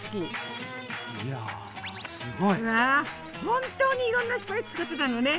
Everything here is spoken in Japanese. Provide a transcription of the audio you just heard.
本当にいろんなスパイス使ってたのね！